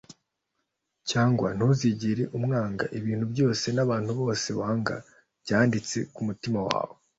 cyangwa ntuzigera umwanga ibintu byose nabantu bose wanga byanditse kumutima wawe